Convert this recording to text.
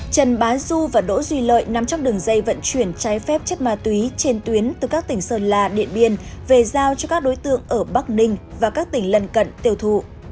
trần bá du và đỗ duy lợi nằm trong đường dây vận chuyển trái phép chất ma túy trên tuyến từ các tỉnh sơn la điện biên về giao cho các đối tượng ở bắc ninh và các tỉnh lân cận tiêu thụ